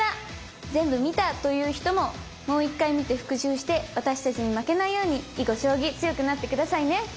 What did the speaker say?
全部見たという人ももう一回見て復習して私たちに負けないように囲碁将棋強くなって下さいね！